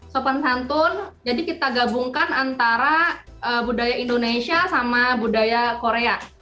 sopan santun jadi kita gabungkan antara budaya indonesia sama budaya korea